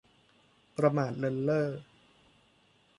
ประมาทเลินเล่อ